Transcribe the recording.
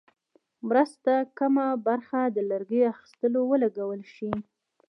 مرستو کمه برخه د لرګیو اخیستلو ولګول شوې.